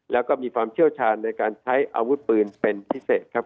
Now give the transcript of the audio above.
แล้วก็มีความเชี่ยวชาญในการใช้อาวุธปืนเป็นพิเศษครับ